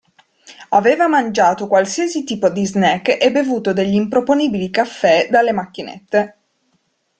Aveva mangiato qualsiasi tipo di snack e bevuto degli improponibili caffè dalle macchinette.